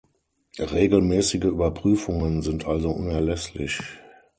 Regelmäßige Überprüfungen sind also unerlässlich.